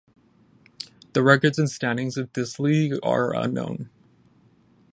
The records and standings of this league are unknown.